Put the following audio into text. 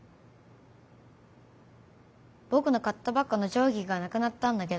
ぼくの買ったばっかのじょうぎがなくなったんだけど。